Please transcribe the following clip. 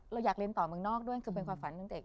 เราอยากเรียนต่อเมืองนอกด้วยคือเป็นความฝันตั้งแต่เด็ก